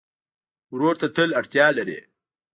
ورور ته تل اړتیا لرې.